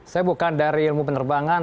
saya bukan dari ilmu penerbangan